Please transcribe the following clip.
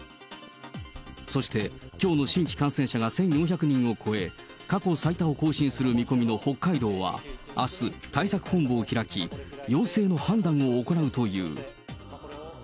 そして、きょうの新規感染者が１４００人を超え、過去最多を更新する見込みの北海道はあす、対策本部を開き、要請の判断を行うという。